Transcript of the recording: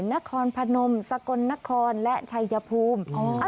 นครพนมสกลนครและชัยภูมิ